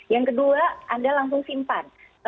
yang kedua anda langsung simpan